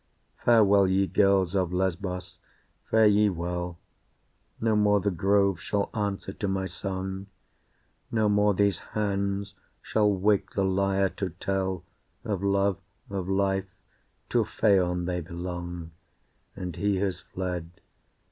Farewell, ye girls of Lesbos, fare ye well; No more the groves shall answer to my song, No more these hands shall wake the lyre to tell Of Love, of Life to Phaon they belong, And he has fled.